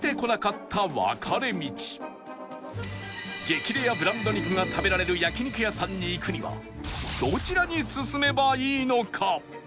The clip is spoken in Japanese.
激レアブランド肉が食べられる焼肉屋さんに行くにはどちらに進めばいいのか？